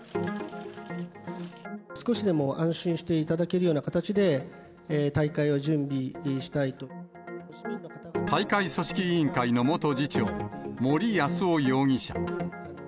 少しでも安心していただける大会組織委員会の元次長、森泰夫容疑者。